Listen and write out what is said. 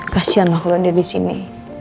kasian lah kalau ada di sini